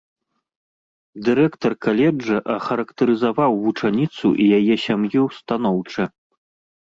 Дырэктар каледжа ахарактарызаваў вучаніцу і яе сям'ю станоўча.